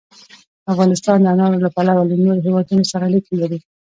افغانستان د انارو له پلوه له نورو هېوادونو سره اړیکې لري.